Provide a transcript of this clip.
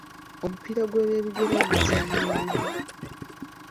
Omupiira gw'ebigere muzannyo ogunyuma.